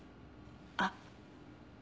あっ。